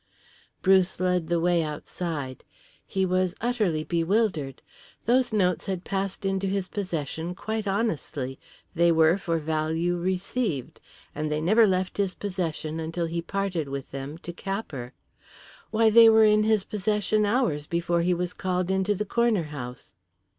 Bruce led the way outside. He was utterly bewildered. Those notes had passed into his possession quite honestly, they were for value received, and they never left his possession until he parted with them to Capper. Why, they were in his possession hours before he was called into the corner house.